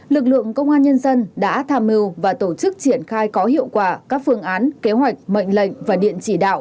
lực lượng công an nhân dân đã tham mưu và tổ chức triển khai có hiệu quả các phương án kế hoạch mệnh lệnh và điện chỉ đạo